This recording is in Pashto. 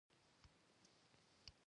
د حساب، هندسې او فلسفې رېښې همدلته دي.